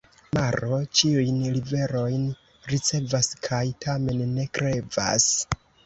Maro ĉiujn riverojn ricevas kaj tamen ne krevas.